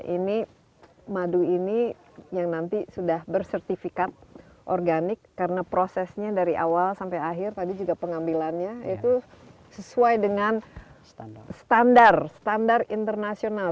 ini madu ini yang nanti sudah bersertifikat organik karena prosesnya dari awal sampai akhir tadi juga pengambilannya itu sesuai dengan standar standar internasional